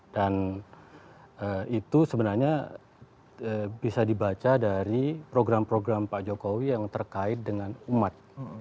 dan itu sebenarnya bisa dibaca dari program program pak jokowi yang terkait dengan umat